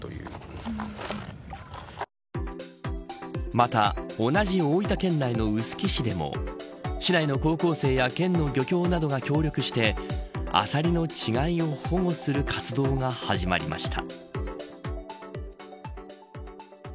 また同じ大分県内の臼杵市でも市内の高校生や県の漁協などが協力してアサリの稚貝を保護する活動が始まりました。